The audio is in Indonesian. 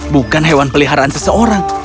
bukan hewan peliharaan seseorang